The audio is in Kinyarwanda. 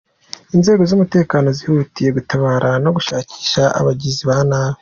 Inzego z’umutekano zihutiye gutabara no gushakisha abagizi ba nabi.